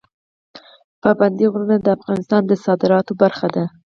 پابندی غرونه د افغانستان د صادراتو برخه ده.